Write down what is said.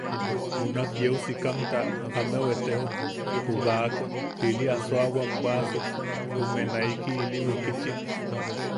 Junak yeu sikamta ameu etejok, ju baakot ili asoawam bwaʼasuk, jume naiki ili wikitchim.